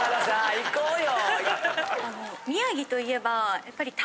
行こうよ。